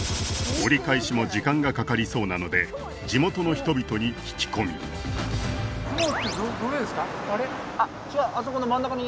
折り返しも時間がかかりそうなので地元の人々に聞き込み雲ってどれですか？